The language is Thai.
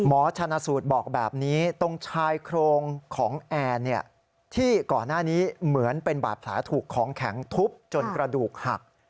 ชนะสูตรบอกแบบนี้ตรงชายโครงของแอนที่ก่อนหน้านี้เหมือนเป็นบาดแผลถูกของแข็งทุบจนกระดูกหัก